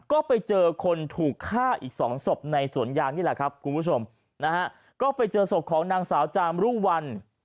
ก็ไปเจอคนถูกฆ่าอีกสองศพในสวนยางนี่แหละครับคุณผู้ชมนะฮะก็ไปเจอศพของนางสาวจามรุ่งวัน